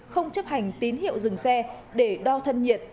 không chấp hành tín hiệu dừng xe để đo thân nhiệt